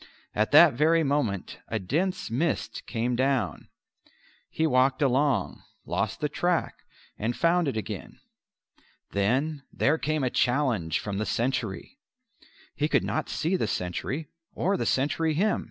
At that very moment a dense mist came down; he walked along, lost the track, and found it again. Then there came a challenge from the sentry. He could not see the sentry or the sentry him.